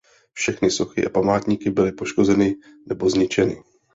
Všechny sochy a památníky byly poškozeny nebo zničeny.